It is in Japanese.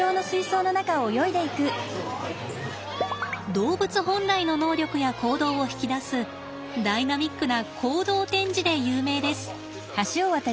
動物本来の能力や行動を引き出すダイナミックな行動展示で有名です。